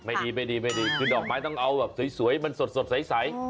ไม่ดีคือดอกไม้ต้องเอาแบบสวยมันสดใส